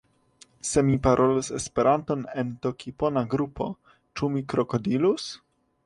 Se mi parolus Esperanton en tokipona grupo, ĉu mi krokodilus?